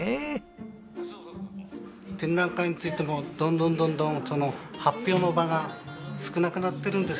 展覧会についてもどんどんどんどん発表の場が少なくなってるんですよ